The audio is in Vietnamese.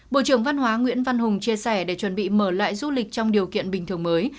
bộ trưởng văn hóa nguyễn văn hùng chia sẻ để chuẩn bị mở lại du lịch trong điều kiện bình thường mới